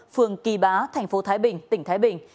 phường kỳ bá tp thái bình tỉnh thái bình